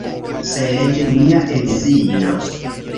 Sed mia edzino